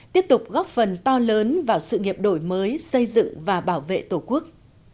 tiếp tục góp phần to lớn vào sự nghiệp đổi mới xây dựng và bảo vệ tổ quốc